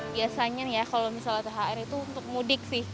biasanya ya kalau misalnya thr itu untuk mudik sih